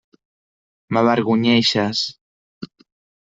M'avergonyeixes.